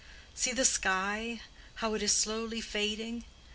"See the sky, how it is slowly fading.